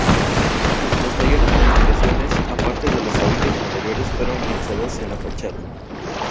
Las mayores modificaciones, aparte de los tabiques interiores, fueron realizadas en la fachada.